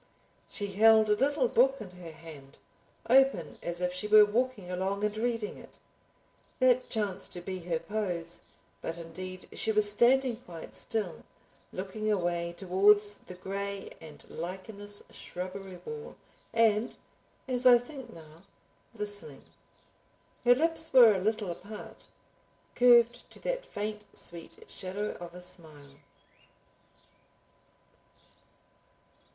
She held a little book in her hand, open as if she were walking along and reading it. That chanced to be her pose, but indeed she was standing quite still, looking away towards the gray and lichenous shrubbery wall and, as I think now, listening. Her lips were a little apart, curved to that faint, sweet shadow of a smile.